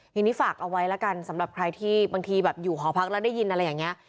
ทีนี้ฝากเอาไว้แล้วกันสำหรับใครที่บางทีแบบอยู่หอพักแล้วได้ยินอะไรอย่างนี้